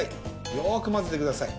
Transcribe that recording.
よくまぜてください。